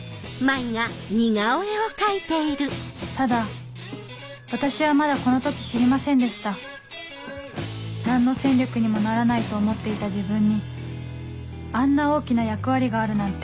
ただ私はまだこの時知りませんでした何の戦力にもならないと思っていた自分にあんな大きな役割があるなんて